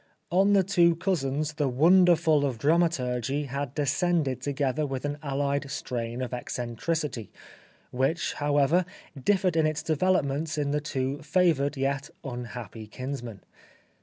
On the two cousins the wonderful of dramaturgy had descended to gether with an allied strain of eccentricity, which, however, differed in its developments in the two favoured yet unhappy kinsmen.